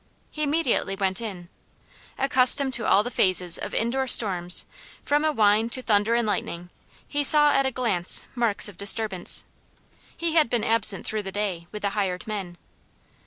He immediately went in. Accustomed to all the phases of indoor storms, from a whine to thunder and lightning, he saw at a glance marks of disturbance. He had been absent through the day, with the hired men.